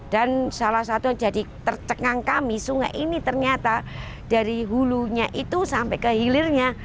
dan salah satu yang jadi tercengang kami sungai ini ternyata dari hulunya itu sampai ke hilirnya